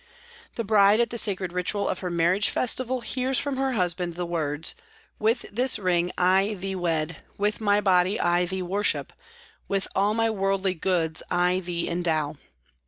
The bride at the sacred ritual of her marriage festival hears from her husband the words, " With this ring I thee wed, with my body I thee worship, with all my worldly goods I thee endow."